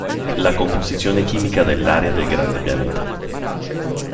La composizione chimica dell'aria del grande pianeta.